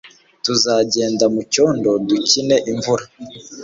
tuzagenda mucyondo dukine imvura